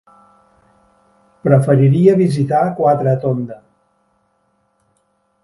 Preferiria visitar Quatretonda.